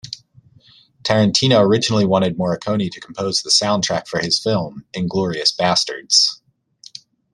Tarantino originally wanted Morricone to compose the soundtrack for his film, "Inglourious Basterds".